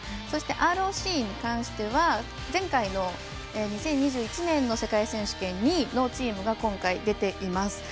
そして、ＲＯＣに関しては前回の２０２１年の世界選手権２位のチームが今回、出ています。